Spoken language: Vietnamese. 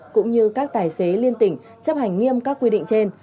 cũng như các tài xế liên tỉnh chấp hành nghiêm các quy định trên